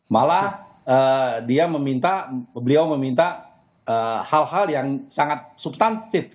malah beliau meminta hal hal yang sangat substantif